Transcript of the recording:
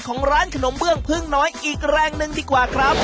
ของร้านขนมเบื้องพึ่งน้อยอีกแรงหนึ่งดีกว่าครับ